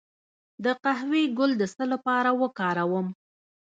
د قهوې ګل د څه لپاره وکاروم؟